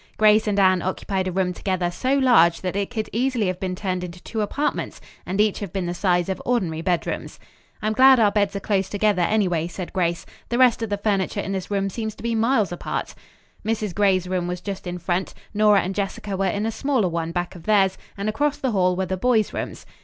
Grace and Anne occupied a room together so large that it could easily have been turned into two apartments and each have been the size of ordinary bedrooms. "I'm glad our beds are close together, anyway," said Grace. "The rest of the furniture in this room seems to be miles apart." Mrs. Gray's room was just in front; Nora and Jessica were in a smaller one back of theirs, and across the hall were the boys' rooms.